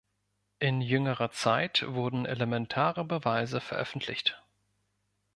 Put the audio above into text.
In jüngerer Zeit wurden elementare Beweise veröffentlicht.